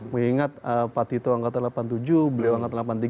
mengingat pak tito angkatan delapan puluh tujuh beliau angkat delapan puluh tiga